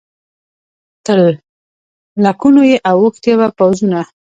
تر لکونو یې اوښتي وه پوځونه